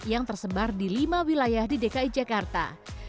yang tersebar di lima wilayah di dki jakarta